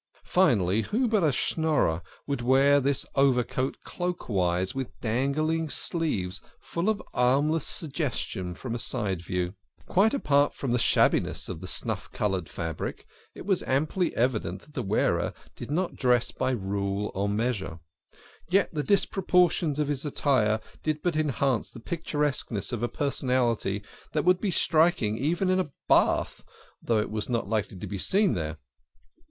Finally, who but a Schnorrer would wear this overcoat cloak wise, with dangling sleeves, full of armless suggestion from a side view? Quite apart from the shabbi ness of the snuff coloured fabric, it was amply evident that the wearer did not dress by rule or measure. Yet the dis proportions of his attire did but enhance the picturesqueness of a personality that would be striking even in a bath, though it was not likely to be seen there.